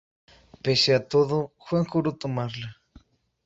Pese a todo, Juan juró tomarla.